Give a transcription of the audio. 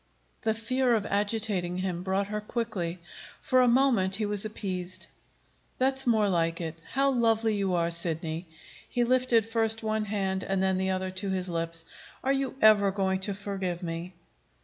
The fear of agitating him brought her quickly. For a moment he was appeased. "That's more like it. How lovely you are, Sidney!" He lifted first one hand and then the other to his lips. "Are you ever going to forgive me?"